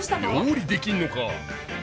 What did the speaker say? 料理できんのか。